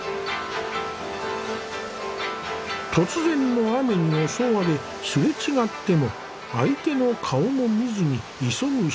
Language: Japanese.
突然の雨に襲われすれ違っても相手の顔も見ずに急ぐ人々。